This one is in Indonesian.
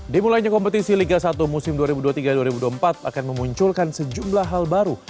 dimulainya kompetisi liga satu musim dua ribu dua puluh tiga dua ribu dua puluh empat akan memunculkan sejumlah hal baru